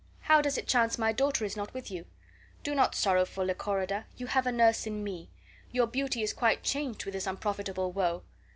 How does it chance my daughter is not with you? Do not sorrow for Lychorida; you have a nurse in me. Your beauty is quite changed with this unprofitable woe.